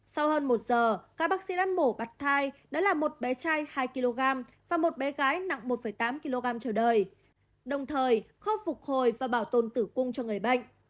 sau hơn một giờ các bác sĩ ăn mổ bạch thai đã là một bé trai hai kg và một bé gái nặng một tám kg trở đời đồng thời khớp phục hồi và bảo tồn tử cung cho người bệnh